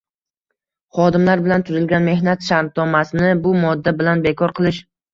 Xodimlar bilan tuzilgan mehnat shartnomasini bu modda bilan bekor qilish